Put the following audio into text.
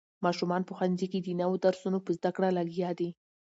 ماشومان په ښوونځي کې د نوو درسونو په زده کړه لګیا دي.